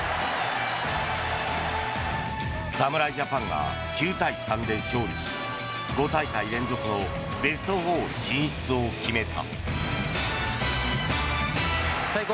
侍ジャパンが９対３で勝利し５大会連続のベスト４進出を決めた。